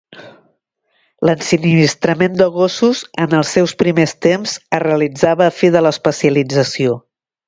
L'ensinistrament de gossos en els seus primers temps es realitzava a fi de l'especialització.